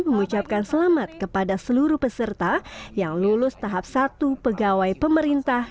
mengucapkan selamat kepada seluruh peserta yang lulus tahap satu pegawai pemerintah